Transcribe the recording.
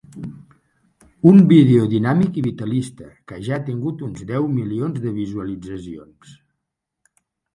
Un vídeo dinàmic i vitalista que ja ha tingut uns deu milions de visualitzacions.